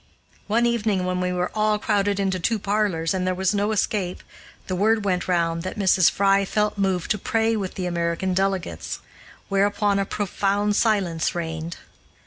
One evening, when we were all crowded into two parlors, and there was no escape, the word went round that Mrs. Fry felt moved to pray with the American delegates, whereupon a profound silence reigned.